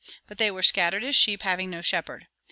But they were scattered as sheep having no shepherd.